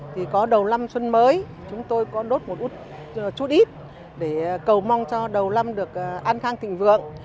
thì có đầu năm xuân mới chúng tôi có đốt một chút ít để cầu mong cho đầu năm được an khang thịnh vượng